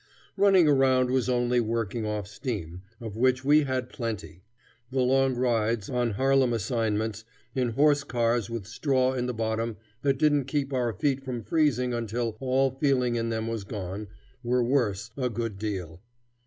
Running around was only working off steam, of which we had plenty. The long rides, on Harlem assignments, in horse cars with straw in the bottom that didn't keep our feet from freezing until all feeling in them was gone, were worse, a good deal.